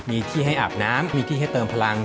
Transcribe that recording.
มีที่ให้อาบน้ำมีที่ให้เติมพลัง